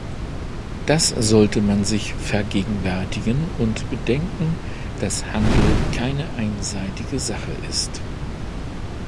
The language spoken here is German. Das sollte man sich vergegenwärtigen und bedenken, dass Handel keine einseitige Sache ist.